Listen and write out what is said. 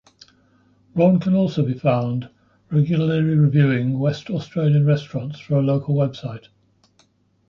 Braun can also be found regularly reviewing West Australian restaurants for a local website.